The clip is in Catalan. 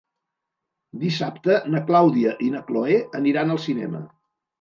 Dissabte na Clàudia i na Cloè aniran al cinema.